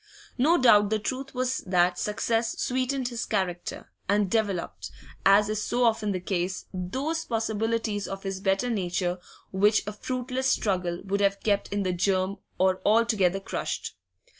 No doubt the truth was that success sweetened his character, and developed, as is so often the case, those possibilities of his better nature which a fruitless struggle would have kept in the germ or altogether crushed.